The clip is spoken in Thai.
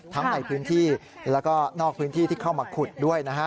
ทั้งในพื้นที่แล้วก็นอกพื้นที่ที่เข้ามาขุดด้วยนะฮะ